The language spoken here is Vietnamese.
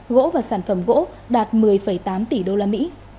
gỗ và sản phẩm gỗ đạt một mươi tám tỷ usd